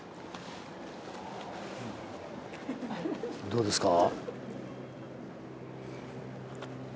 どうですか？